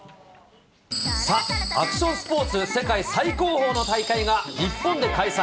さあ、アクションスポーツ、世界最高峰の大会が日本で開催。